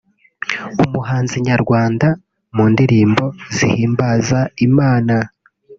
umuhanzi nyarwanda mu ndirimbo zihimbaza Imana